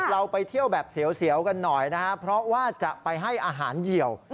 เราไปเที่ยวแบบเสียวกันหน่อยนะครับเพราะว่าจะไปให้อาหารเหี่ยว